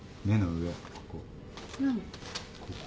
ここ。